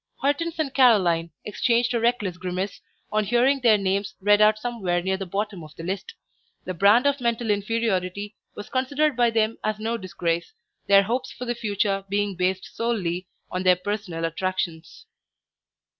Hortense and Caroline exchanged a reckless grimace on hearing their names read out somewhere near the bottom of the list; the brand of mental inferiority was considered by them as no disgrace, their hopes for the future being based solely on their personal attractions.